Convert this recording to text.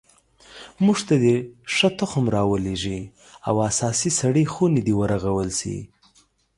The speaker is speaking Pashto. موږ ته دې ښه تخم را ولیږي او اساسي سړې خونې دې ورغول شي